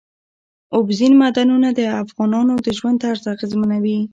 اوبزین معدنونه د افغانانو د ژوند طرز اغېزمنوي.